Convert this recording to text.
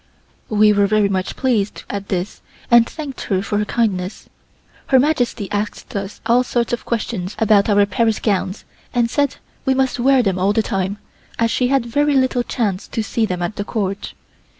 We were very much pleased at this and thanked her for her kindness. Her Majesty asked all sorts of questions about our Paris gowns and said we must wear them all the time, as she had very little chance to see them at the Court.